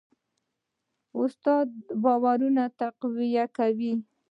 استاد د باورونو تقویه کوي.